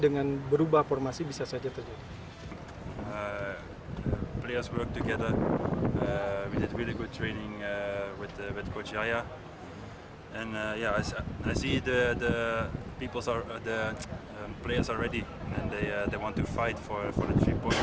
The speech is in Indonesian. dan mereka ingin berjuang untuk poin ketiga